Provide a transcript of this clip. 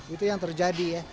itu yang terjadi ya